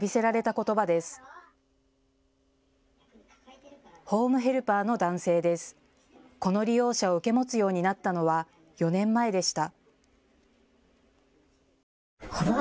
この利用者を受け持つようになったのは４年前でした。